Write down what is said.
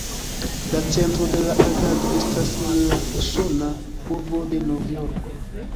La centro de la agado estas en la usona urbo de Novjorko.